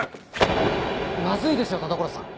マズいですよ田所さん。